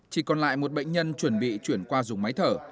chỉ còn lại một bệnh nhân chuẩn bị chuyển qua dùng máy thở